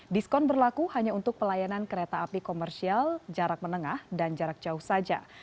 diskon berlaku hanya untuk pelayanan kereta api komersial jarak menengah dan jarak jauh saja